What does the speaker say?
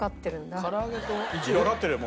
１位わかってるよ